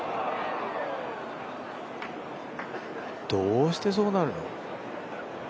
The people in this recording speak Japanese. どうしてそうなる？